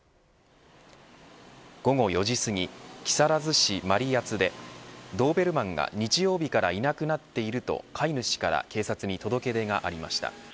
午後４時すぎ木更津市真里谷でドーベルマンが日曜日からいなくなっていると飼い主から警察に届け出がありました。